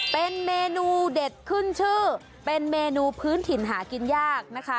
เป็นเมนูเด็ดขึ้นชื่อเป็นเมนูพื้นถิ่นหากินยากนะคะ